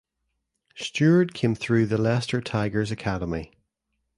Steward came through the Leicester Tigers academy.